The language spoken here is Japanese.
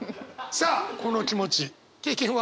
さあこの気持ち経験は？